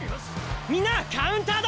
みんなカウンターだ！